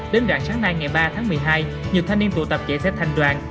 đến rạng sáng nay ngày ba tháng một mươi hai nhiều thanh niên tụ tập chạy xe thành đoàn